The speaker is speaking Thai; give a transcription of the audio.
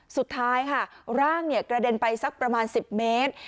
สุดท้ายค่ะร่างกระเด็นไปสักประมาณ๑๐เมตร